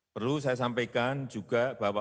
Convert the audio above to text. perlu saya sampaikan juga bahwa